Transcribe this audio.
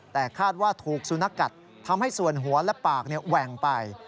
แต่คาดว่าถูกสุนัขกัดทำให้ส่วนหัวและปากแหว่งไป